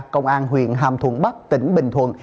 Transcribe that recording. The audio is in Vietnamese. công an huyện hàm thuận bắc tỉnh bình thuận